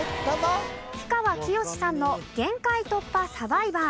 氷川きよしさんの『限界突破×サバイバー』。